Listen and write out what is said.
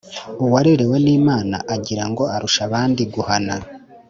Uwarerewe n’Imana agira ngo arusha abandi guhana.